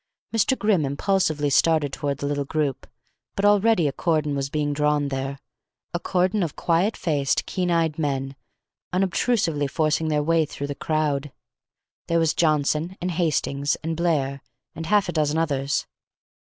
Mr. Grimm impulsively started toward the little group, but already a cordon was being drawn there a cordon of quiet faced, keen eyed men, unobstrusively forcing their way through the crowd. There was Johnson, and Hastings, and Blair, and half a dozen others.